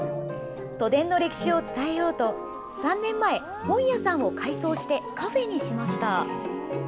都電の歴史を伝えようと、３年前、本屋さんを改装してカフェにしました。